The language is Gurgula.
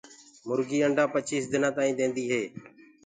مرگي انڊآ پچيس دنآ تآئينٚ ديندي هي۔